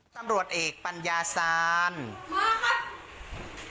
สำรวจเอกปัญญาสรรมาค่ะ